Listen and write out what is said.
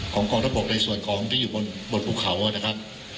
กองทัพบกในส่วนของที่อยู่บนภูเขานะครับ